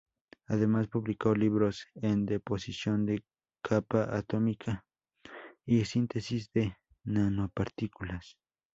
Además publicó libros en Deposición de Capa Atómica y síntesis de nanopartículas.